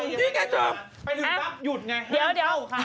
นี่ไงเจ้าไปดึงปั๊บหยุดไงให้เข้าค่ะ